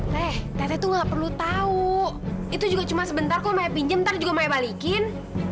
teh teteh tuh gak perlu tau itu juga cuma sebentar kok saya pinjam ntar juga saya balikin